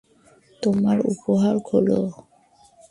তোমার উপহার খোল।